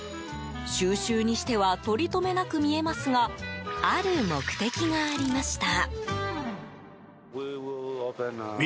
収集にしてはとりとめなく見えますがある目的がありました。